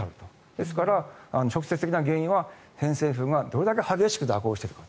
ですから直接的な原因は偏西風がどれだけ激しく蛇行しているか。